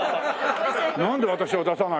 なんで私を出さないの？